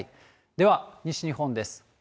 では、西日本です。